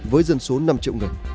với dân số năm triệu người